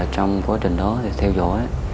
trong quá trình đó theo dõi